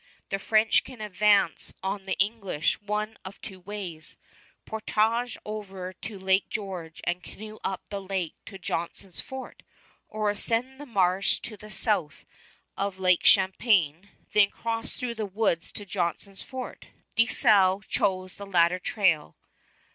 The French can advance on the English one of two ways, portage over to Lake George and canoe up the lake to Johnson's fort, or ascend the marsh to the south of Lake Champlain, then cross through the woods to Johnson's fort. Dieskau chose the latter trail.